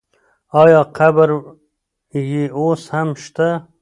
آیا قبر یې اوس هم شته؟